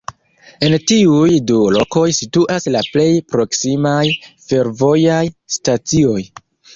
En tiuj du lokoj situas la plej proksimaj fervojaj stacioj.